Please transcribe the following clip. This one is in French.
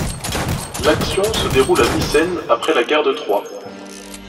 L'action se déroule à Mycènes après la guerre de Troie.